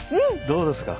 どうですか？